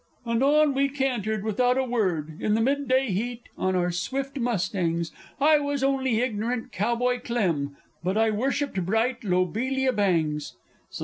And on we cantered, without a word, in the mid day heat, on our swift mustangs. I was only ignorant Cowboy Clem but I worshipped bright Lobelia Bangs! SOC.